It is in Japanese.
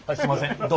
どうぞ。